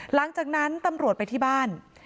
หลังจากนั้นตำรวจไปที่บ้าน